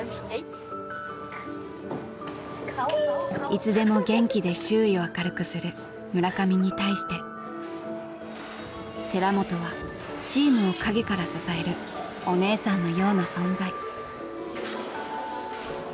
いつでも元気で周囲を明るくする村上に対して寺本はチームを陰から支えるおねえさんのような存在。